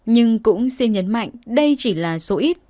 nhưng cũng xin nhấn mạnh đây chỉ là số ít